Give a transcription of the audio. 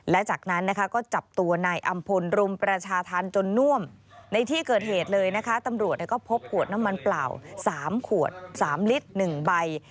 และจากนั้นนะคะก็จับตัวนายอำพลรุมประชาธรรมจนน่วมในที่เกิดเหตุเลยนะคะตำรวจก็พบขวดน้ำมันเปล่า๓ขวด๓ลิตร๑ใบ